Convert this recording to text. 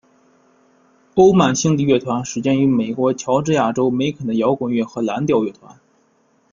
欧曼兄弟乐团始建于美国乔治亚州梅肯的摇滚乐和蓝调乐团。